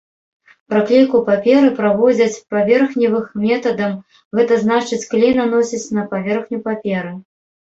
Праклейку паперы праводзяць паверхневых метадам, гэта значыць клей наносяць на паверхню паперы.